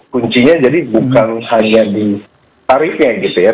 kuncinya jadi bukan hanya di tarifnya gitu ya